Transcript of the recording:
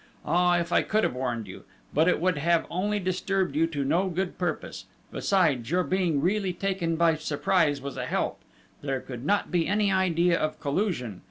Ah, if I could have warned you but it would have only disturbed you to no good purpose, besides your being really taken by surprise was a help there could not be any idea of collusion....